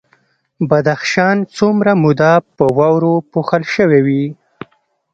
بدخشان څومره موده په واورو پوښل شوی وي؟